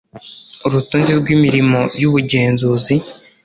urutonde rw imirimo y ubugenzuzi